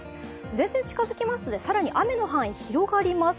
前線が近づきますので、更に雨の範囲が広がります。